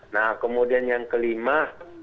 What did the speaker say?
nah kemudian yang kelima